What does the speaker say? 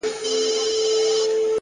پوه انسان د زده کړې عمر نه ویني!.